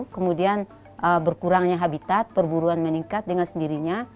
kemudian berkurangnya habitat perburuan meningkat dengan sendirinya